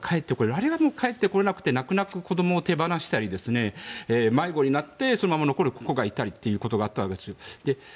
我々も帰ってこれなくて泣く泣く子供を手放したり迷子になってそのまま残る子がいたりということがあったわけです。